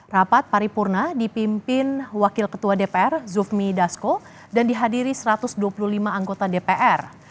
rapat paripurna dipimpin wakil ketua dpr zufmi dasko dan dihadiri satu ratus dua puluh lima anggota dpr